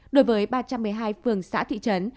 đối với ba trăm một mươi hai phường xã thị trấn